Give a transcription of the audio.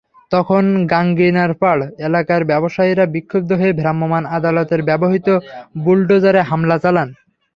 তখন গাঙ্গিনারপাড় এলাকার ব্যবসায়ীরা বিক্ষুব্ধ হয়ে ভ্রাম্যমাণ আদালতের ব্যবহৃত বুলডোজারে হামলা চালান।